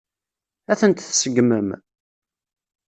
Ad tent-tseggmem?